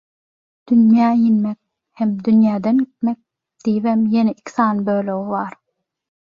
«Dünýä inmek» hem «dünýeden gitmek» diýibem ýene iki sany bölegi bar.